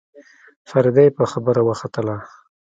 فريده يې په خبره وختله.